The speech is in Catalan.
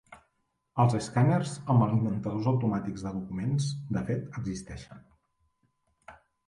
Els escàners amb alimentadors automàtics de documents de fet existeixen.